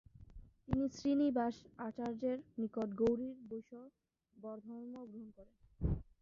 তিনি শ্রীনিবাস আচার্যের নিকট গৌড়ীয় বৈষ্ণবধর্ম গ্রহণ করেন।